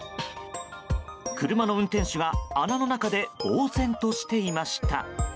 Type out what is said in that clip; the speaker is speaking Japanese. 車の運転手が、穴の中でぼうぜんとしていました。